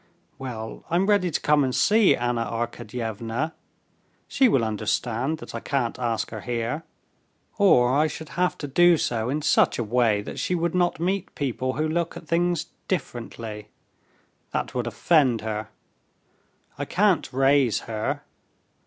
Well, I'm ready to come and see Anna Arkadyevna: she will understand that I can't ask her here, or I should have to do so in such a way that she would not meet people who look at things differently; that would offend her. I can't raise her...."